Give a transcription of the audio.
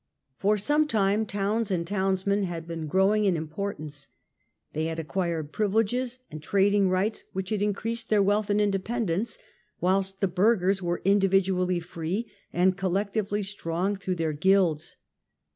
For some time towns and townsmen had been growing in importance. They had acquired privileges and trading rights which had increased their wealth and independence, whilst the burghers were individually free and collectively strong through their guilds.